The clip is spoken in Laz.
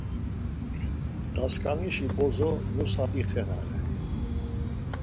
Daskanişi bozo nusa dixenare.